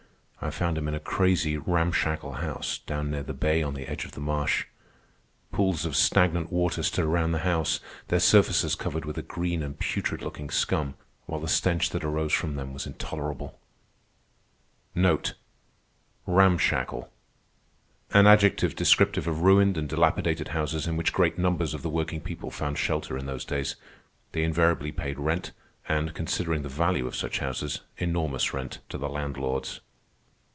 I found him in a crazy, ramshackle house down near the bay on the edge of the marsh. Pools of stagnant water stood around the house, their surfaces covered with a green and putrid looking scum, while the stench that arose from them was intolerable. An adjective descriptive of ruined and dilapidated houses in which great numbers of the working people found shelter in those days. They invariably paid rent, and, considering the value of such houses, enormous rent, to the landlords.